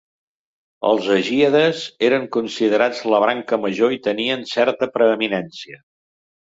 Els agíades eren considerats la branca major i tenien certa preeminència.